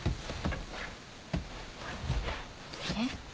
えっ？